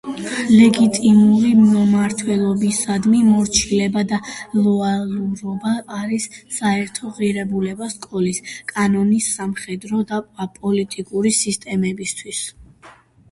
ლეგიტიმური მმართველობისადმი მორჩილება და ლოიალურობა არის საერთო ღირებულება სკოლის, კანონის, სამხედრო და პოლიტიკური სისტემებისთვის.